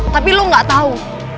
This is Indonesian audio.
tapi lo gak tau